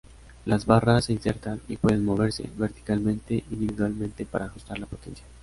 Las barras se insertan, y pueden moverse, verticalmente individualmente para ajustar la potencia.